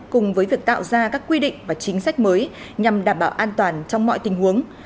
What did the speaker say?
cùng với việc tạo ra các quy định và chính sách mới nhằm đảm bảo an toàn trong mọi tình huống